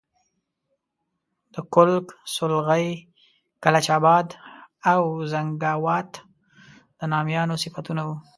د کُلک، سولغی، کلچ آباد او زنګاوات د نامیانو صفتونه وو.